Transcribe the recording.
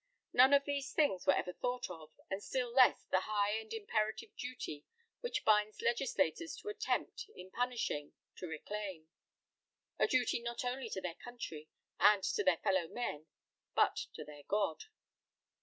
None of these things were ever thought of, and still less the high and imperative duty which binds legislators to attempt, in punishing, to reclaim; a duty not only to their country and to their fellow men, but to their God."